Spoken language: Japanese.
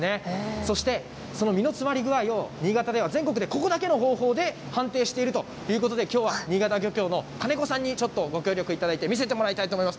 そしてその身の詰まり具合を新潟では、全国でここだけの方法で判定しているということで、きょうは新潟漁協のかねこさんにちょっとご協力いただいて、見せてもらいたいと思います。